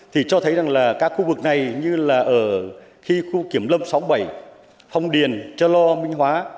thì cho thấy rằng là các khu vực này như là ở khi khu kiểm lâm sáu mươi bảy phong điền chơ lo minh hóa